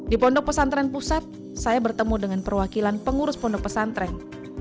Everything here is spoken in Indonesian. di pondok pesantren pusat saya bertemu dengan perwakilan pengurus pondok pesantren